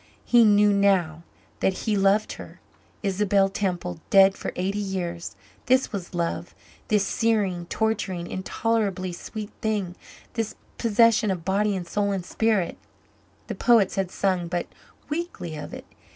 He knew now that he loved her Isabel Temple, dead for eighty years. This was love this searing, torturing, intolerably sweet thing this possession of body and soul and spirit. The poets had sung but weakly of it.